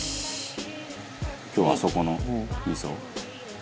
「今日はあそこの味噌？」